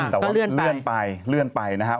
แต่ว่าเลื่อนไปเลื่อนไปนะครับ